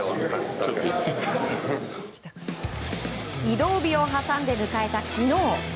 移動日を挟んで迎えた昨日。